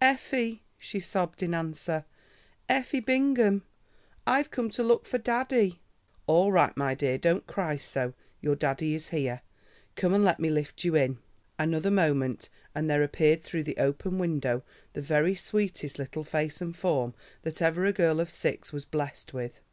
"Effie," she sobbed in answer, "Effie Bingham. I've come to look for daddie." "All right, my dear, don't cry so; your daddie is here. Come and let me lift you in." Another moment and there appeared through the open window the very sweetest little face and form that ever a girl of six was blessed with.